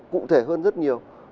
cụ thể hơn rất nhiều